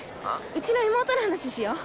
うちの妹の話しよう。